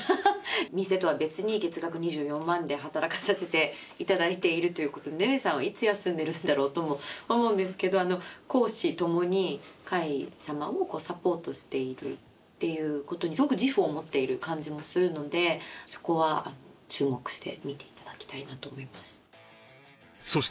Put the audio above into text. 店とは別に月額２４万で働かせていただいているということで寧々さんはいつ休んでるんだろうとも思うんですけど公私ともに海様をサポートしているっていうことにすごく自負を持っている感じもするのでそこは注目して見ていただきたいなと思います